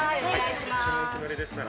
ご注文お決まりでしたら。